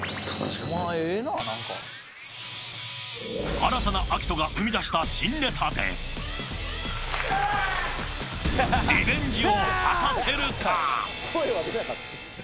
新たなアキトが生み出した新ネタでリベンジを果たせるか。